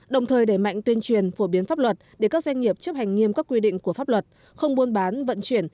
đồng thời đẩy mạnh tuyên truyền phổ biến pháp luật để các doanh nghiệp chấp hành nghiêm các quy định của pháp luật không buôn bán vận chuyển